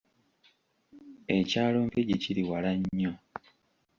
Ekyalo Mpigi kiri wala nnyo.